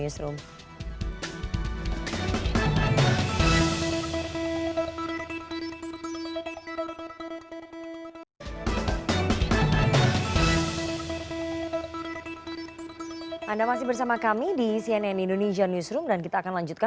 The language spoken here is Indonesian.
cuma bisa menyaksikan tapi ya